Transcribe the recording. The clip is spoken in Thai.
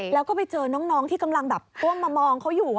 แล้วก็ไปเจอน้องที่กำลังแบบก้มมามองเขาอยู่